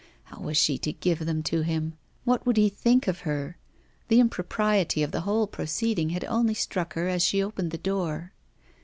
How was she to give them to him? What would he think of her? The impropriety of the whole proceeding had only struck her as she opened the door.